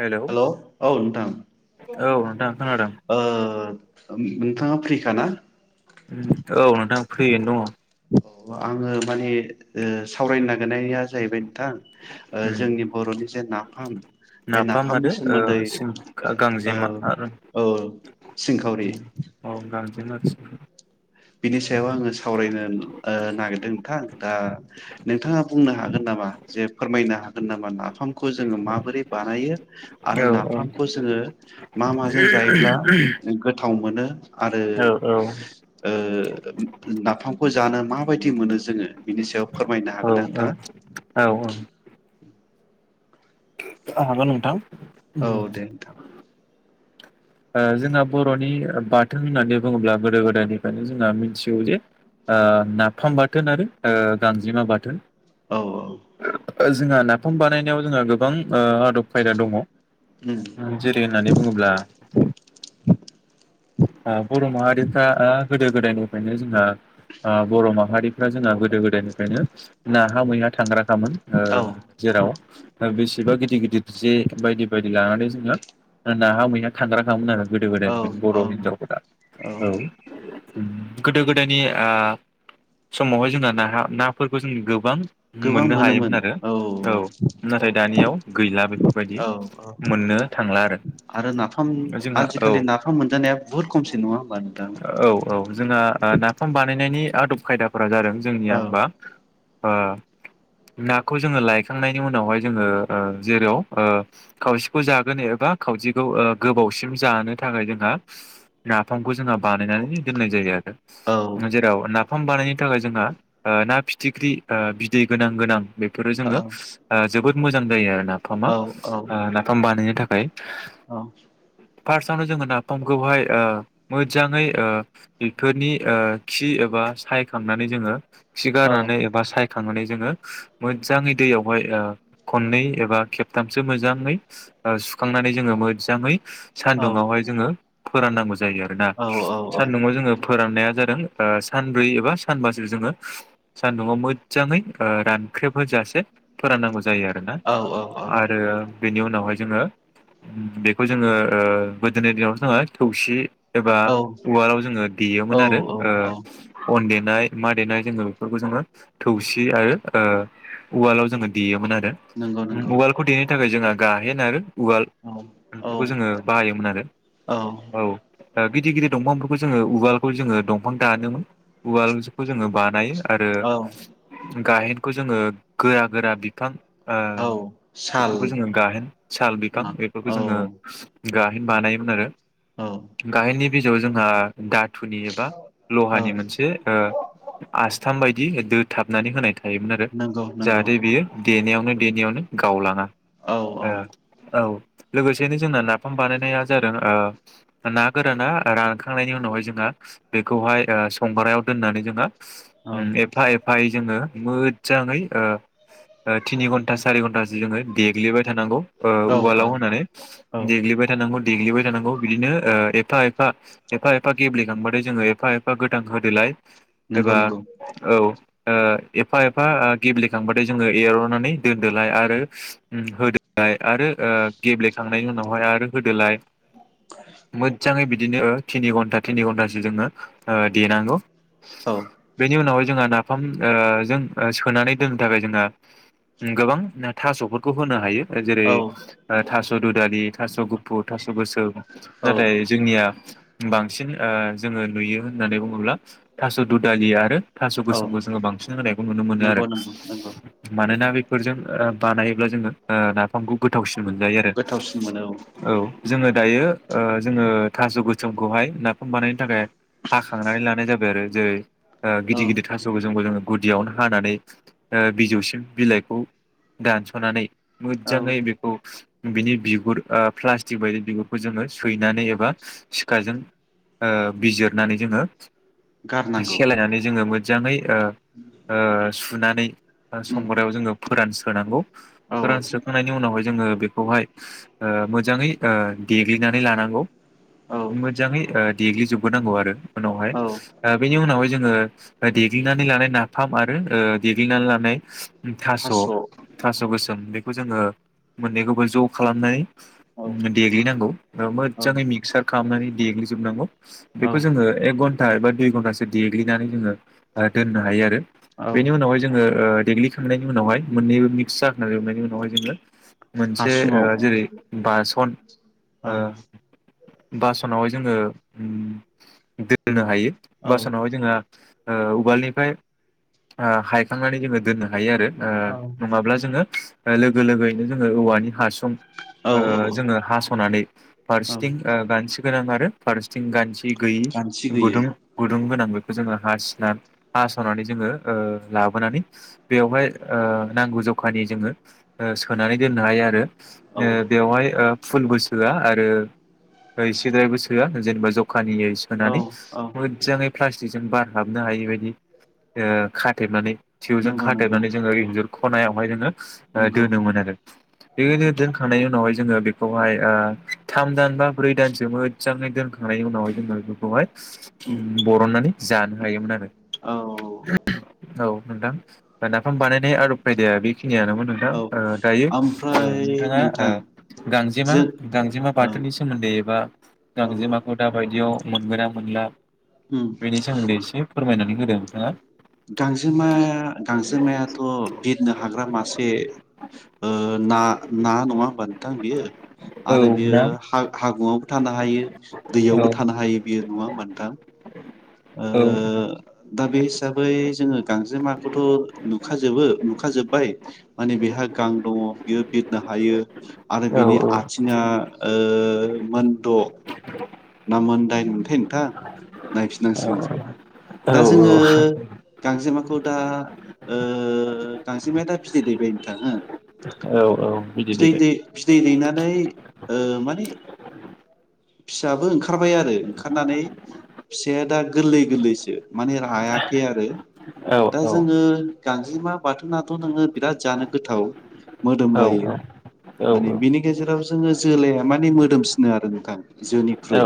Hello hello औ नोंथां, औ नोंथां खोनादों ओ ओम नोंथाङा फ्रिखा ना? औ नोंथां फ्रियैनो दङ'। आङो माने ओ सावरायनो नागिरनाया जाहैबाय नोंथां, ओ उम जोंनि बर'नि जे नाफाम, बे नाफाम आरो नाफामनि ओ सोमोन्दै सिं ओ गांजेमा आरो ओ सिंखावरि माथिमा बिनि सायाव आङो सावरायनो ओ नागिरदों नोंथां, दा नोंथाङा बुंनो हागोन नामा? जे फोरमायनो हागोन नामा? नाफाम खौ जोङो माबोरै बानायो आरो औ नाफामखौ जोङो मा माजों जायोब्ला गोथाव मोनो आरो औ औ औ ओ, नाफामखौ जानो मा माबायदि मोनो जोङो बिनि सायाव फोरमायनो औ हागोन ना नोंथाङा? औ ओं हागोन नोंथां। औ, दे नोंथां। ओ जोंना बर'नि बाथोन होननानै बुङोब्ला गोदो गोदायनिफ्रायनो जोंहा मिथिगौ जे नाफाम बाथोन आरो गांजेमा बाथोन। औ ओ जोंहा नाफाम बानायनायाव जोंहा गो बां ओ आदब खायदा दङ, उम जेरै होननानै बुङोब्ला, ओ बर' माहारिफ्रा ओ गोदो गोदायनिफ्रायनो जोंहा ओ बर' माहारिफ्रा जोंहा गोदो गो दायनिफ्रायनो ना हा मैहा थांग्रा थांग्राखामोन ओ औ जेराव ओ बेसेबा गिदिर गिदिर जे बायदि बायदि लानानै जोङो नाहा, मैया थांग्राखामोन आरो। गोदो औ गोदायनिफ्रानो औ बर' हिनजावफोरा औ। गोदो गोदायनि ओ समावहाय जोंहा नाहा नाफोरखौ जों गोबां मोननो हायोमोन आरो। औ नाथाय दानियाव गैला, बेफोरबायदि औ औ मोननो थांला आरो आरो नाफाम जोंहा औ, आजिखालि नाफाम मोनजानाया बुहुद खमसै नङा होमबा नोंथां? औ औ जोंहा नाफाम बानायनायनि आदब खायदा फोर जादों औ जोंनिया होमबा ओ नाखौ जोङो लायखांनायनि उनावहाय जोङो ओ जेराव ओ खावसेखौ जागोनो एबा खावसेखौ ओ गोबावसिम जानो थाखाय जोंहा नाफामखौ जोंहा बानायनानै दोननाय जायो आरो। औ जेराव ना फाम बानायनो थाखाय जोंहा ओ ना फिथिख्रि ओ बि दै गोनां गोनां बेफोरो औ जोंङो ओ जोबोद मोजां जायो आरो नाफामा। औ ओ नाफाम बानायनो था खाय औ। फार्स्टआवनो जोंङो नाफामखौहाय ओ मोजांङै ओ बेफोरनि ओ खि एबा सायखांनानै जोंङो खि गारनानै एबा साइ नानै जोंङो मोजांङै दैयावहाय ओ खननै एबा खेबथामसो मोजांङै ओ सुखांनानै जोंङो मोजांङै सानदुंङावहाय जोंङो फोराननांगौ जा जायो आरोना। सानदुङाव जोंङो फोराननाया जादों ओ सानब्रै एबा सानबासो जोंङो सानदुङाव मो जांङै ओ रानख्रेब होजासे फोराननांगौ जायो आरो ना आरो बेनि उनावहाय जोंङो उम बेखौ जोंङो ओ गोदोनि दिनावथ' जोंङो थौसि एबा उवालाव जोंङो देयोमोन आरो औ औ औ ओ अन देनाय मा देनाय जोंङो बेफोरखौ जोंङो थौसि आरो ओ उवालाव जोङो देयोमोन आ रो नंगौ नंगौ उवालखौ दे नो थाखाय जोंहा गाहेन आरो उवाल औ औ बेफोरखौ जोंङो बाहायोमोन आरो। औ। ओ गिदिर गिदिर दंफांफोरखौ जोंङो उवालखौ जोंङो दंफां दानोमोन उवाल खौ जोंङो बानायो आरो औ गाहेनखौ जोंङो गोरा गोरा बिफां ओ औ बेफोरखौ साल जोंङो गाहेन साल बिफां औ बेफोरखौ जोंङो गाहेन बानायोमोन आरो। औ गाहेननि बिजौ जोंहा धातुनि एबा औ लहानि मोनसे ओ आसथाम बाय दि [unintelligible] थाबनानै होनाय थायोमोन आरो नंगौ नंगौ जाहाथे बियो देनायावनो देनायावनो गावलांङा औ औ ओ औ लोगोसेययैनो जोंना ना नाफाम बानायनाया ओ जादों ना गोराना रानखांनायनि उनावहाय जोंङो बेखौहाय संग्रायाव दोननानै जोङो औ एफा एफ जोङो मोजाङै ओ ओ थिनि घन्टा सारि घन्टासो जोङो देग्लिबाय थानांगौ। ओ औ औ उवालाव होनानै औ देग्लिबाय थानांगौ। देग्लिबाय थानांगौ बिदिनो ओ एफा-एफा-एफा-एफा गेब्लेखांबथाय जोङो एफा एफा गोदान होदोलाय नंगौ एबा नंगौ औ ओ एफा एफा गेब्लेखांबाथाय जोङो एर'नानै दोनदोलाय आरो होदोलाय आरो ओ गेब्लेखां नाय उनावहाय आरो होदोलाय मोजांयै बिदिनो थिनि घन्टा थिनि घन्टासो जोङो ओ देनांगौ औ बेनि उनावहाय जोंहा ना नाफामजों सोनानै दोननो थाखाय जोङो गोबां थास'फोरखौ होनो हायो। जेरै औ थास' रुदालि थास' गुफुर थास' गोसोम औ नाथाय जोंनिया बांसिन ओ जोङो नुयो होननानै बुङोब्ला थास' दुदालि आरो औ थास'गोसो गोसोमखौ जोङो बांसिन होनायखौ नुनो मोनो आरो नंगौ नंगौ नंगौ मानोना बे फोरजों बानायोब्ला जोङो ओ नाफामखौ गोथावसिन मोनजायो आरो गोथावसिन मोनो औ जोङो दायो ओ जोङो थास' गोसोमखौहाय नाफाम बानायनो थाखाय हाखांनानै लानाय जाबाय आरो जेरै ओ औ गिदिर गिदिर जों जोङो गुदियावनो हानानै ओ बिजौसिम बिलाइखौ दानस'नानै औ मोजाङै बेखौ बिनि बिगुर प्लास्टिक बायदि बिगुरखौ जोङो सैनानै एबा सिखाजों ओ बिजिरनानै जोङो गारनांगौ सेलायनानै मो जानाय ओ ओ सुनानै बा उम संग्रायाव जोङो फोरानस्रोनांगौ औ फोरानस्रोखांनायनि उनावहाय जोङो बेखौहाय ओ मोजाङै ओ देग्लिनानै लानांगौ औ मोजाङै ओ देग्लिजोबगोरनांगौ आरो उनावहाय औ ओ बेनि उनावहाय जोङो ओ देग्लिनानै लानाय नाफाम आरो ओ देग्लिनानै लानाय उम थास' थास' गोस ओम बेखौ जोङो मोननैखौबो ज' खालामनाय औ उम देग्लिनांगौ ओ औ मोजाङै मिक्सार खालामनानै देग्लिजोबनांगौ। बेखौ जोङो एक घन्टा एबा दुय घन्टासो देग्लिनानै जोङो ओ दोननो हायो आरो। औ बेनि उनावहाय जोङो ओ देग्लिखांनायनि उनावहाय मोननैबो मिक्स जाखा जोबनायनि उनावहाय जोङो मोनसे ओ हासुङाव जेरै बासन ओ औ बासनावहाय जोङो उम दोननो हायो। औ बासनावहाय जोंहा ओ उवालनिफ्राय ओ हायखांनानै जोङो दोननो हायो आरो। ओ औ नङाब्ला जोङो ओ लोगो लोगयैनो जोङो औवानि हासु थुं औ ओ जोङो हासनानै औ फारसेथिं ओ गानथि गोनां आरो फारसेथिं गान थि गैयि गानथि गैयै गुदुं गुदुं गोनां बैखौ जोङो हासि ना हास'नानै जोङो ओ लाबोनानै बेवहाय ओ नांगौ जखानि जोङो ओ सोनानै दोननो हायो आरो। औ ओ बेवहाय ओ फुलबो सोआ आरो ओ एसेद्रायबो सोआ जेनेबा जख खानियै औ सोनानै औ मोजाङै प्लास्टिकजों बार हाबनो हायि बायदि ओ खाथेबनानै थिवजों नंगौ नंगौ खाथेनानै जोङो इन्जुर खनायावहाय नोङो ओ नंगौ दोनोमोन आरो नंगौ बेबायनो दोनखांनायनि उनावहाय जोङो बेखौहाय आ थाम दान बा ब्रै दानसो मोजाङै दोनखांनायनि उनावहाय जोङो बेफोरखौहाय उम बरननानै जानो हायोमोन आरो। औ औ मोनदां दा नाफाम बानायनाय आरो फायदाया बे खिनियानोमोन नोंथां औ ओ दायो ओ ओमफ्राय नोंथाङा नोंथां ओ गांजेमा जों गांजेमा ओ बाथौनि सोमोन्दै एबा औ गांजेमाखौ दा बायदियाव मोनगोना मोनला? उम बिनि सानमोनदै इस फोरमायनानै होदों नोंथाङा। गांजेमाया गांजेमायाथ' बिरनो हाग्रा मासे ना ना नङा होनोमब नोंथां बेयो औ आरो बेयो नोंथां हागुआवबो थानो हायो औ दैयावबो थानो हायो बेयो नङा होमब नोंथां ओ औ दा बे हिसाबै जोङो गां फुथु नुखाजोबो नुखाजोबबाय माने बेहा गां दङ बेयो बिरनो हायो आरो बिनि आथिङा ओ मोनद मोन दाइन मोनथाय नोंथां नायफिननांसिगोनसो दा औ जोङो गांजेमाखौ दा ओ गांजेमाया दा बिदै दैबाय नोंथां हो औ औ बिदि बिदै देबाय दै बिदै दैनानै ओ माने फिसाबो ओंखा खारबाय आरो ओंखारनानै फिसाया दा गोरलै गोरलैसो माने रायाखै आरो औ दा औ जोङो गां जिमा बाथोनथ नोङो बिराद जानो गोथाव मोदोम औ लायो औ माने बिनि गेजेराव जोङो जोलाया माने मोदोमसिनो आरो नोंथां जोनिख्रुइ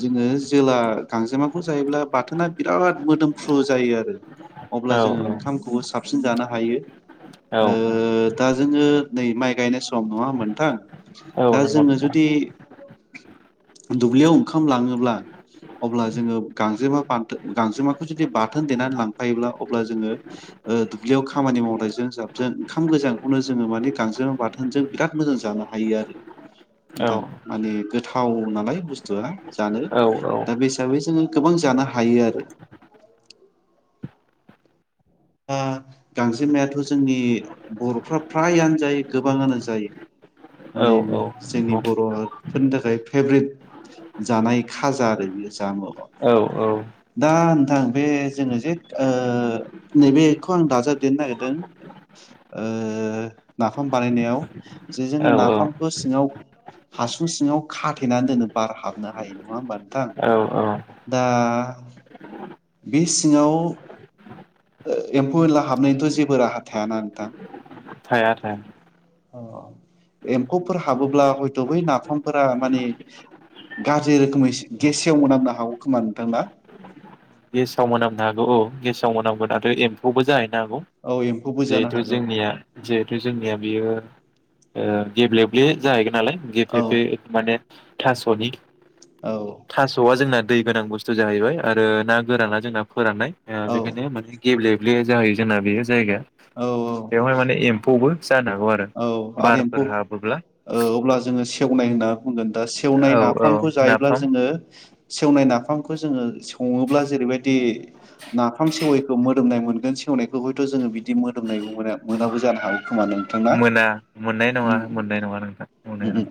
जोङो जोला गांजेमाखौ जायोब्ला बाथोना बिराद मोदोमफ्रु जायो आरो औ अब्ला जोङो ओंखामखौबो साबसिन जानो हायो औ ओ दा जोङो नै माइ गायनाय सम नङा होमबा ओनथां औ दा नंगौ जोङो जुदि दुब्लियाव ओंखाम लाङोब्ला अब्ला जोङो गांजेमा बा गांजेमाखौ जुदि बाथोन देनानै लांफायोब्ला अब्ला जोङो ओ दुब्लियाव खामानि मावनायजों जाबजों ओंखाम गोजांखौनो जोङो माने गांजेमा बाथोनजों बिराद मोजां जानो हायो आरो औ नोंथां माने थाव नालाय बुस्थुआ जानो औ दा बे हिसाबै जोङो गोबां जानो हायो आरो ओह गांसेमायाथ जोंनि बरफ्रा फ्रायानो जायो गोबाङानो जायो औ माने औ जोंनि नंगौ बरफोरनि थाखाय फेभरेट जानाय खाजा आरो बेयो जामुआ औ दा नोंथां बे जोङो जे ओ नैबेखौ आं दाजाबदेरनो नागिरदों ओ नाफाम बानायनायाव जे जोङो औ नाफामखौ सिङाव हासुं सिङाव खाथेनानै दोनो बार हाबनो हायो नङा होमबा नोंथां औ औ दा बे सिङाव एम्फौ एनला हाबनायनिथ जेबो राहा थायाना नोंथां थाया थाया अ एम्फौफोर हाबोब्ला हयथ बै नाफामफोरा माने गाज्रि रोखोमै गेसेव मोनांनो हागौ खोमा नोंथां‌ ना गेसाव मोनामनो हागौ औ गेसाव मोनामगोन आरो एम्फौबो जाय गौ औ एम्फौबो जानो जिहेथु हागौ जोंनिया जिहेथु जोंनिया बियो ओ गेब्लेब्ले जाहैगोन नालाय औ गेफेफे माने थासनि औ थासआ जोंना दै गोनां बुस्थु जाहैबाय आरो ना गोराना जोंना फोराननाय ओ बेखायनो औ माने गेब्ले बे जाहै जोंना बेयो जायगाया औ बेवहाय माने एम्फौबो जानो हागौ आरो औ आरो बारफोर एम्फौ हाबोब्ला ओ अब्ला जोङो सि सेवनाय होनना बुंगोन दा सेवनाय औ औ नाफामखौ जायोब्ला नाफाम जोङो सेवनाय नाफामखौ जोङो सङोब्ला जेरैबायदि नाफाम सेवैखौ मोदोमनाय मोनगोन सेवनायखौ हयथ जोङो बिदि मोदोमनायबो मोनाबो जानो हागौ। खोमा नोंथां‌ ना? मोना मोननाय नङा उम मोननाय नङा नोंथां मोननाय नङा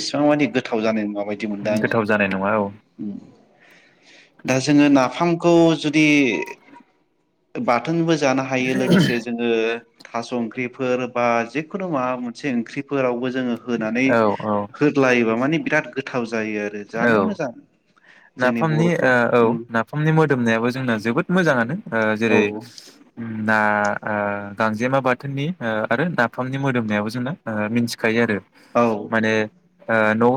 बेसिबां मानानि गोथाव जानाय नङााबायदि गोथाव जानाय नङा औ दा जोङो नाफामखौ जुदि बाथोनबो ज जानो हायो लोगोसे जोङो थास' ओंख्रिफोर बा जिखुनु माबा मोनसे ओंख्रिफोरावबो जोङो होनानै औ औ हो स्लायोबा माने बिराद गोथाव जायो आरो जानो औ मोजां जोंनि नाफामनि बर'फ्रा ओ औ उम नाफामनि मोदोमनायाबो जोंना जोबोद मोजाङानो ओ औ जेरै उम ना ओ गांजेमा बाथोननि आरो नाफामनि मोदोमनायाबो जोंना ओ मिथिखायो आरो औ माने ओ न' ओ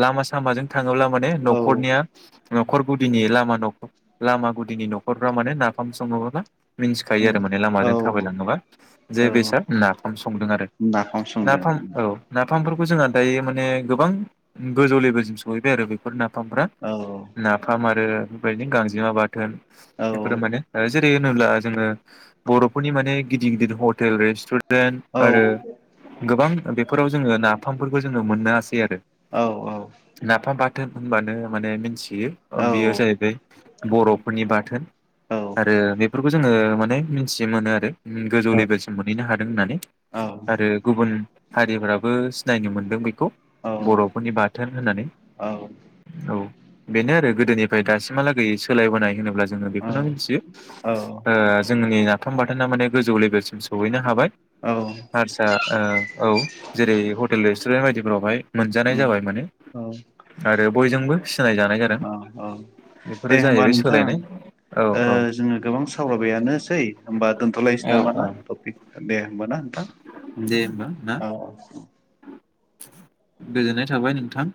लामा सामाजों थाङोब्ला माने औ न'खरनिया न'खर गुदिनि लामा नख लामा गुदिनि न'खरफ्रा माने नाफाम सङोबाबो मिन्थिखायो आरो माने औ लामाजों थाबायलाङोबा जे औ बेसोर नाफाम संदों आरो नाफाम संदों नाफाम औ नाफ नाफांफोरखौ जोंहा दायो माने गोबां गोजौ लेबोजों सहैबाय आरो बेफोर ना फामफ्रा औ नाफाम आरो बेबायदिनो गांजेमा बाथोन औ [unintelligible] जेरै होनोब्ला जोंनो बर'फोरनि माने गिद गिदिर हटेलेे रेसतुर रेन औ आरो गोबां बेफोराव जोङो नाफामफोरखौ जोङो मोननो हासै आरो औ नाफा बा थोन होनबानो माने मिन्थि खायो बेयो ओ औ बेयो जाहैबाय बर'फोरनि बाथोन औ आरो बेफोर जोङो माने मिथिनो मोनो आरो उम गोजौ लेभेलसिम मोनहैनो हा होननानै। आरो गुबुन हारिफोराबो सिनायनो मोनदों बेखौ। बर'फोरनि बाथोन होननानै औ। बेनो आरो गोदोनिफ्राय दासिमहालागै सोलायबोनाय होनोब्ला। जोङो बेखौनो मिथियो ओ जोंनि नफाम बा दाना माने गोजौ लेभेलसिम सहैनो हाबाय। औ आरसा ओ औ जेरै हटेलिस सुडेन बायदिफोरावहाय। मोनजानाय औ जाबाय माने औ आरो बयजोंबो सिनायजानाय जादों औ औ बेफोरो दे होमबा जाहैबाय नोंथां सोलायनाय औ ओ औ जोङो गोबां सावरायबायानोसै होनबा दोनथ'लायसै औ नामा ना औ टपिक दे। बोना। दे होमबा ना औ औ। गोजोननाय थाबाय नोंथां।